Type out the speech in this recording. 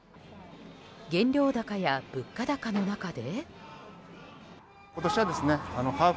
原料高や物価高の中で。